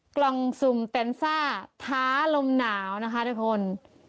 กล่องสุ่มแตนซ่าท้าลมหนาวนะคะทุกคน